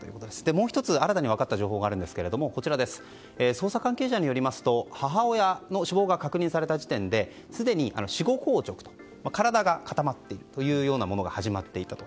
もう１つ、新たに分かった情報があるんですが捜査関係者によりますと母親の死亡が確認された時点ですでに死後硬直体が固まっているというようなものが始まっていたと。